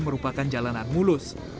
merupakan jalanan mulus